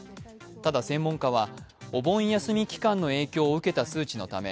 ただ専門家はお盆休み期間の影響を受けた数値のため